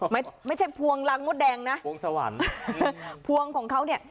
ไม่ใช่พวงรังมดแดงนะพวงสวรรค์พวงของเขาเนี่ย